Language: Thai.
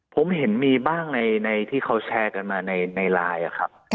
ผมเห็นมีบ้างในที่เขาแชร์กันมาในไลน์ครับ